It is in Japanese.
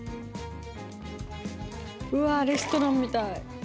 うわレストランみたい。